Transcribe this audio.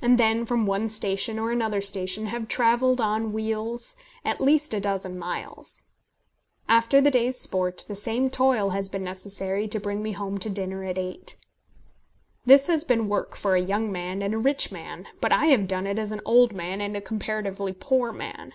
And then, from one station or another station, have travelled on wheels at least a dozen miles. After the day's sport, the same toil has been necessary to bring me home to dinner at eight. This has been work for a young man and a rich man, but I have done it as an old man and comparatively a poor man.